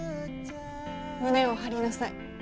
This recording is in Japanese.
胸を張りなさい。